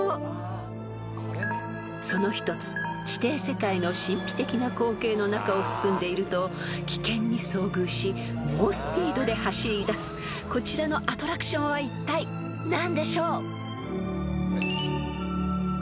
［その一つ地底世界の神秘的な光景の中を進んでいると危険に遭遇し猛スピードで走りだすこちらのアトラクションはいったい何でしょう？］